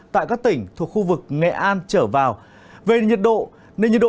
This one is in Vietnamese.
tại các tỉnh thuộc khu vực nghệ an trở vào về nhiệt độ nền nhiệt độ